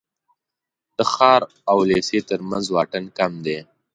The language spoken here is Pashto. د ښار او لېسې تر منځ واټن کم دی.